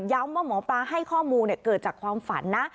ว่าหมอปลาให้ข้อมูลเกิดจากความฝันนะ